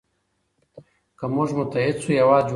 که موږ متحد سو هېواد جوړیږي.